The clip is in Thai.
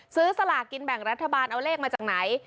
สลากินแบ่งรัฐบาลเอาเลขมาจากไหน